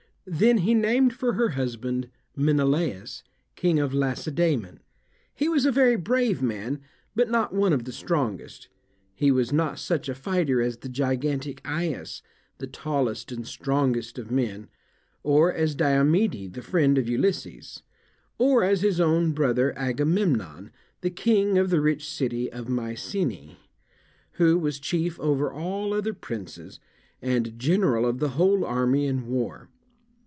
Then he named for her husband Menelaus, King of Lacedaemon. He was a very brave man, but not one of the strongest; he was not such a fighter as the gigantic Aias, the tallest and strongest of men; or as Diomede, the friend of Ulysses; or as his own brother, Agamemnon, the King of the rich city of Mycenae, who was chief over all other princes, and general of the whole army in war.